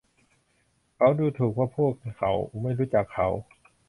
เขาดูถูกว่าพวกเขาไม่รู้จักเขา